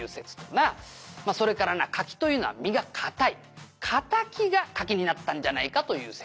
「まあそれからな柿というのは実が堅い」「堅きが柿になったんじゃないかという説」